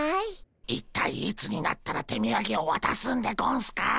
一体いつになったら手みやげをわたすんでゴンスか？